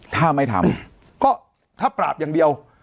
ถ้าไม่ทำก็ถ้าปราบอย่างเดียว